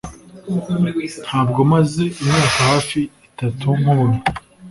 Ntabwo maze imyaka hafi itatu nkubona